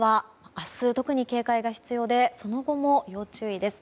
明日、特に警戒が必要でその後も要注意です。